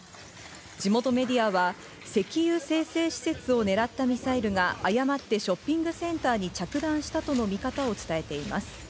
地元メディアは石油精製施設を狙ったミサイルが誤ってショッピングセンターに着弾したとの見方を伝えています。